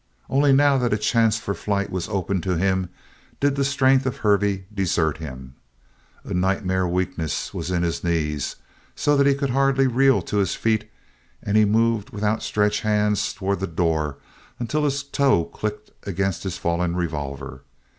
Only now that a chance for flight was open to him did the strength of Hervey desert him. A nightmare weakness was in his knees so that he could hardly reel to his feet and he moved with outstretched hands towards the door until his toe clicked against his fallen revolver.